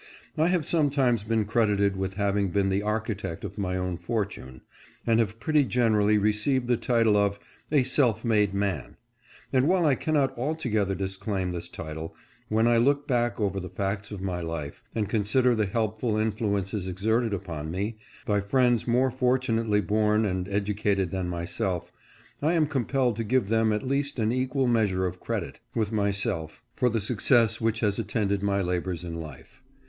I have some times been credited with having been the architect of my own fortune, and have pretty generally received the title of a " self made man ;" and while I cannot altogether disclaim this title, when I look back over the facts of my life, and consider the helpful influences exerted upon me, by friends more fortunately born and educated than my self, I am compelled to give them at least an equal mea sure of credit, with myself, for the success which has attended my labors in life.